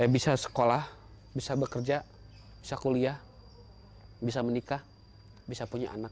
bisa sekolah bisa bekerja bisa kuliah bisa menikah bisa punya anak